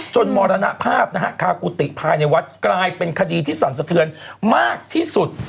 มรณภาพนะฮะคากุฏิภายในวัดกลายเป็นคดีที่สั่นสะเทือนมากที่สุด